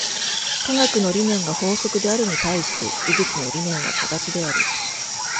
科学の理念が法則であるに対して、技術の理念は形である。